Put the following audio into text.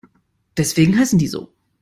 Deswegen heißen die so.